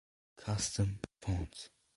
Custom fonts